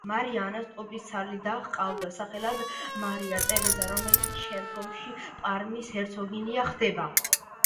მარია ანას ტყუპისცალი და ჰყავდა, სახელად მარია ტერეზა, რომელიც შემდგომში პარმის ჰერცოგინია ხდება.